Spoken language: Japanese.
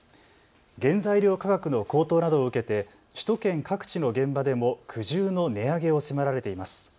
原材料価格の高騰などを受けて首都圏各地の現場でも苦渋の値上げを迫られています。